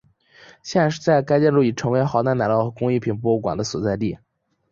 现在该建筑已成为豪达奶酪和工艺品博物馆的所在地。